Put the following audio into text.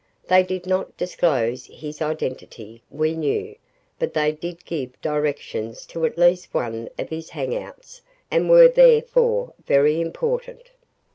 They did not disclose his identity, we knew, but they did give directions to at least one of his hang outs and were therefore very important.